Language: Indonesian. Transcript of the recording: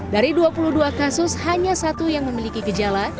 dari dua puluh dua kasus hanya satu yang memiliki gejala